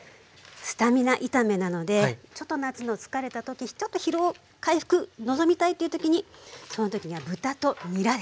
スタミナ炒めなのでちょっと夏の疲れた時ちょっと疲労回復望みたいという時にその時には豚とにらですね。